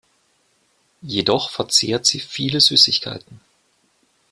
Jedoch verzehrt sie viele Süßigkeiten.